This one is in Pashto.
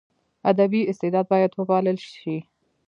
ادبي استعداد باید وپالل سي.